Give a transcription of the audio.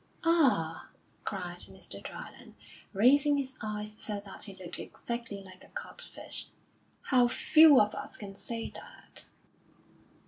"Ah!" cried Mr. Dryland, raising his eyes so that he looked exactly like a codfish, "how few of us can say that!"